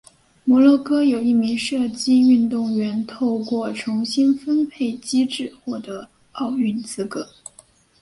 摩洛哥有一名射击运动员透过重新分配机制获得奥运资格。